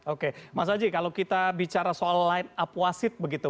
oke mas aji kalau kita bicara soal light up wasit begitu